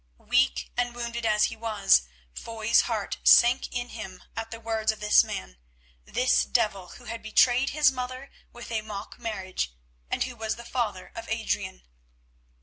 Weak and wounded as he was, Foy's heart sank in him at the words of this man, this devil who had betrayed his mother with a mock marriage, and who was the father of Adrian.